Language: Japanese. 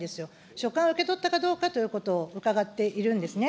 書簡を受け取ったどうかということを伺っているんですね。